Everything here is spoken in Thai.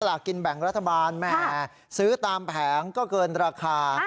หลักกินแบ่งรัฐบาลแหมซื้อตามแผงก็เกินราคา